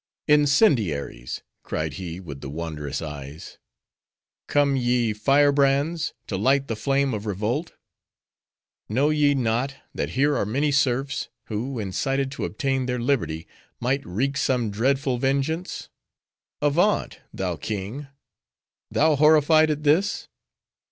"Incendiaries!" cried he with the wondrous eyes, "come ye, firebrands, to light the flame of revolt? Know ye not, that here are many serfs, who, incited to obtain their liberty, might wreak some dreadful vengeance? Avaunt, thou king! thou horrified at this?